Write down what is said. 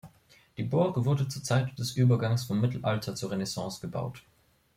Die Burg wurde zur Zeit des Übergangs vom Mittelalter zur Renaissance gebaut.